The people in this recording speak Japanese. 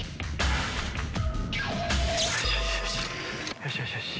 よしよしよし。